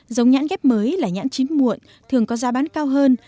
giống nhãn ghép mới là nhãn chín muộn thường có giá bán cao hơn